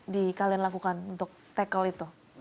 di kalian lakukan untuk tackle itu